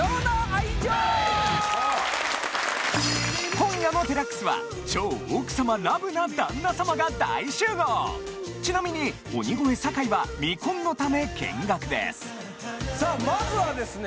今夜の『ＤＸ』は超奥様ラブな旦那様が大集合ちなみに鬼越坂井は未婚のため見学ですさあまずはですね。